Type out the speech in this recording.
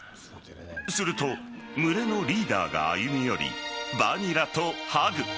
すると群れのリーダーが歩み寄りバニラとハグ。